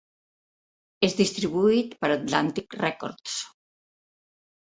És distribuït per Atlantic Records.